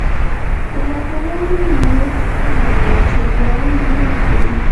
پر واکمنانو یې ومنله چې لونګ به نه کري.